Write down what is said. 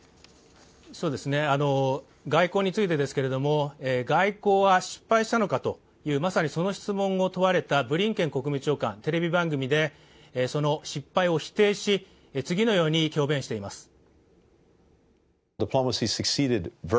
外交についてですけれども、外交は失敗したのかというまさにその質問を問われたブリンケン国務長官、テレビ番組で、失敗を否定し、次のように強弁しています。